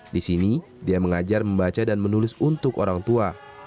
di sini dia mengajar membaca dan menulis untuk orang tua